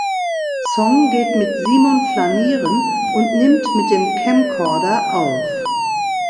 Song geht mit Simon flanieren, und nimmt mit dem Camcorder auf.